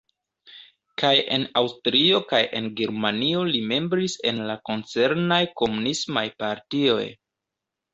Kaj en Aŭstrio kaj en Germanio li membris en la koncernaj Komunismaj Partioj.